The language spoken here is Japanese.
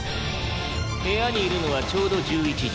「部屋にいるのはちょうど１１人」